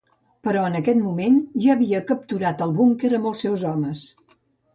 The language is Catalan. Però en aquest moment ja havia capturat el búnquer amb els seus homes.